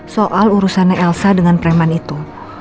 soal urusannya elsa dengan preman itu